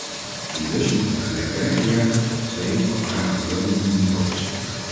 En dus moeten we gelijktijdig werken op twee elkaar aanvullende niveaus.